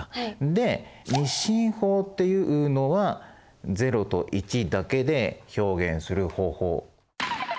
で２進法っていうのは０と１だけで表現する方法。